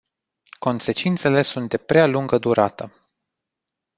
Consecințele sunt de prea lungă durată.